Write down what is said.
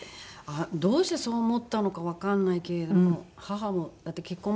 どうしてそう思ったのかわかんないけれども母もだって結婚